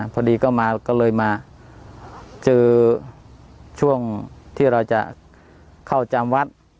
พอดีก็มาก็เลยมาเจอช่วงที่เราจะเข้าจำวัด